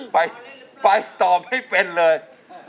ไปไปตอบไม่เป็นเลย